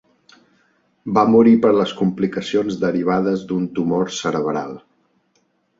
Va morir per les complicacions derivades d'un tumor cerebral.